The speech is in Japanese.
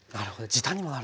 時短にもなる。